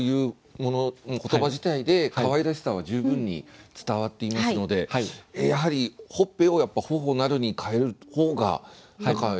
言葉自体でかわいらしさは十分に伝わっていますのでやはり「頬つぺ」を「頬なる」に変える方が何かよりいい感じがします。